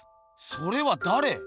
それはだれ？